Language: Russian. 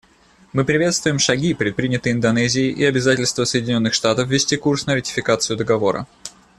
Мы приветствуем шаги, предпринятые Индонезией, и обязательство Соединенных Штатов вести курс на ратификацию Договора.